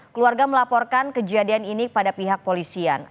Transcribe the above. keluarga melaporkan kejadian ini kepada pihak polisian